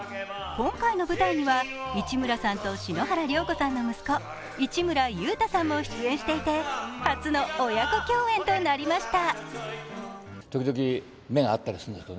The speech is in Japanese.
今回の舞台には市村さんと篠原涼子さんの息子市村優汰さんも出演していて、初の親子共演となりました。